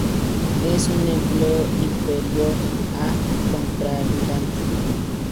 Es un empleo inferior a contraalmirante.